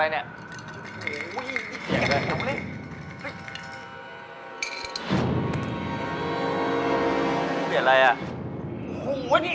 อะไหล่วะ